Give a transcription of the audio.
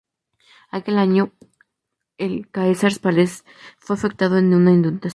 Aquel año, el Caesars Palace fue afectado por una inundación.